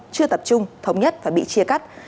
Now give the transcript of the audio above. chưa tập trung thống nhất và bị chia cắt